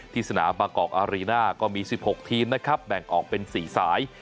สนามบางกอกอารีน่าก็มี๑๖ทีมนะครับแบ่งออกเป็น๔สาย